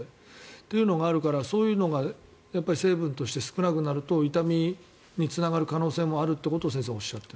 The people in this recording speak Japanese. というのがあるからそういうのが成分として少なくなると痛みにつながる可能性もあるということを先生はおっしゃっている。